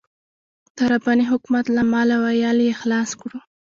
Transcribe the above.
د رباني حکومت له مال او عيال يې خلاص کړو.